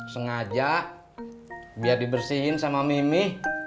sengaja biar dibersihin sama mimi